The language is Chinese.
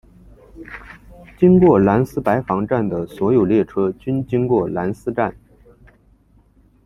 经过兰斯白房站的所有列车均经过兰斯站。